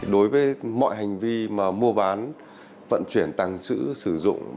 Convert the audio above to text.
đối với mọi hành vi mua bán vận chuyển tăng sữ sử dụng